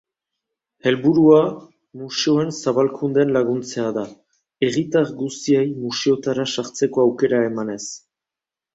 Helburua museoen zabalkundean laguntzea da, herritar guztiei museotara sartzeko aukera emanez.